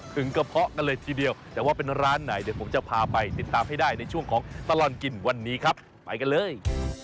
กระเพาะกันเลยทีเดียวแต่ว่าเป็นร้านไหนเดี๋ยวผมจะพาไปติดตามให้ได้ในช่วงของตลอดกินวันนี้ครับไปกันเลย